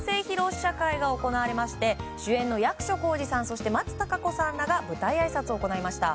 試写会が行われまして主演の役所広司さん松たか子さんらが舞台あいさつを行いました。